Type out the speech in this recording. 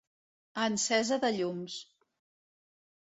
A encesa de llums.